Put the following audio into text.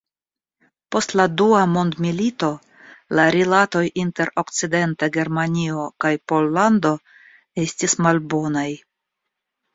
Post la dua mondmilito la rilatoj inter Okcidenta Germanio kaj Pollando estis malbonaj.